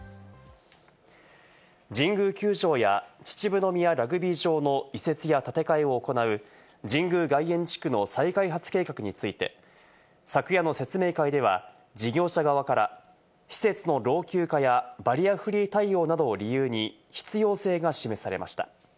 神宮球場や秩父宮ラグビー場の移設や建て替えを行う、神宮外苑地区の再開発計画について、昨夜の説明会では、事業者側から施設の老朽化やバリアフリー対応などを理由に必要性が示されました。